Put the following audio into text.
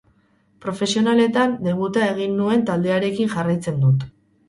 Profesionaletan debuta egin nuen taldearekin jarraitzen dut.